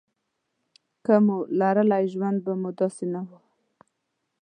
که مو لرلای ژوند به مو داسې نه وای.